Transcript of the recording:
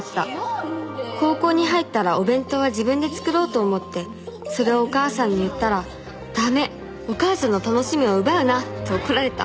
「高校に入ったらお弁当は自分で作ろうと思ってそれをお母さんに言ったら“駄目お母さんの楽しみを奪うな”と怒られた」